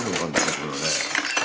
これはね。